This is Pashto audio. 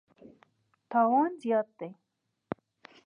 تاوان زیان دی.